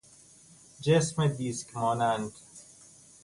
جسم دیسک مانند